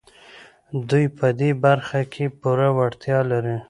دوی په دې برخه کې پوره وړتيا لري.